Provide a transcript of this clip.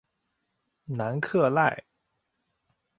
南克赖。